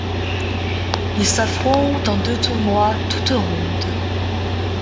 Ils s'affrontent en deux tournois toutes rondes.